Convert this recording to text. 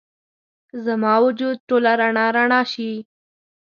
زما وجود ټوله رڼا، رڼا شي